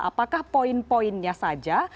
apakah poin poinnya saja